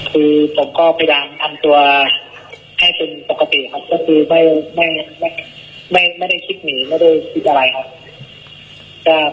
คือผมก็พยายามทำตัวให้เป็นปกติครับก็คือไม่ได้คิดหนีไม่ได้คิดอะไรครับ